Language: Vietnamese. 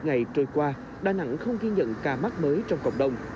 hai mươi một ngày trôi qua đà nẵng không ghi nhận ca mắc mới trong cộng đồng